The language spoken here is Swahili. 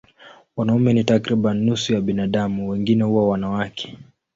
Wanaume ni takriban nusu ya binadamu, wengine huwa wanawake.